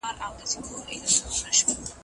اعمال په نیتونو پورې تړلي دي.